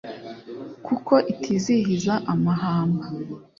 kuko itizihiza amahamba